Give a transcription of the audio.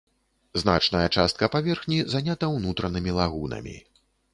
Значная частка паверхні занята ўнутранымі лагунамі.